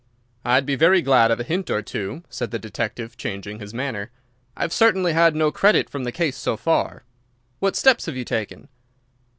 "I'd be very glad of a hint or two," said the detective, changing his manner. "I've certainly had no credit from the case so far." "What steps have you taken?"